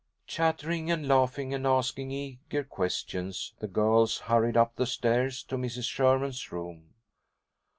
Chattering and laughing, and asking eager questions, the girls hurried up the stairs to Mrs. Sherman's room.